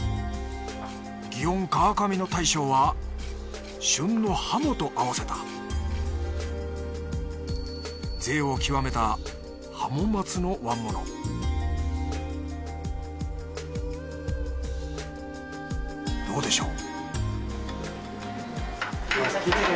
祇園川上の大将は旬のハモと合わせたぜいを極めた鱧松の椀物どうでしょう？